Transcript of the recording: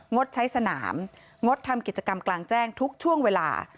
ดใช้สนามงดทำกิจกรรมกลางแจ้งทุกช่วงเวลา